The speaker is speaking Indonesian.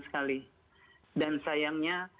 sekali dan sayangnya